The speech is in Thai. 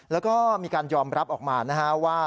แล้วก็มีการยอมรับออกมานะฮะว่า